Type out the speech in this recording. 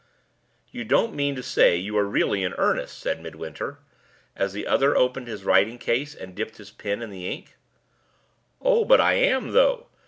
"You don't mean to say you are really in earnest!" said Midwinter, as the other opened his writing case and dipped his pen in the ink. "Oh, but I am, though!"